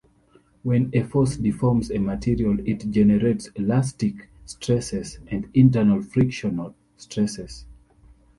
When a force deforms a material it generates elastic stresses and internal frictional stresses.